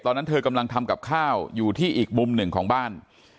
ตอนนั้นเธอกำลังทำกับข้าวอยู่ที่อีกมุมหนึ่งของบ้าน